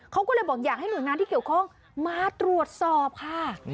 เขาก็เลยบอกอยากให้หน่วยงานที่เกี่ยวข้องมาตรวจสอบค่ะ